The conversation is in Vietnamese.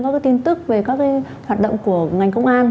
các tin tức về các hoạt động của ngành công an